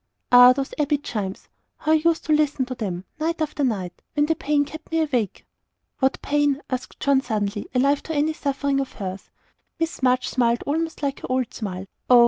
"Ah, those Abbey chimes! how I used to listen to them, night after night, when the pain kept me awake!" "What pain?" asked John, suddenly, alive to any suffering of hers. Miss March smiled almost like her old smile. "Oh!